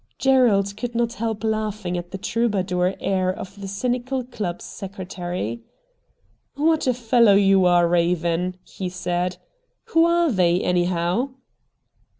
Gerald could not help laughing at the troubadour air of the cynical club secretary. ' What a fellow you are, Eaven,' he said. ' Who are they, anyhow?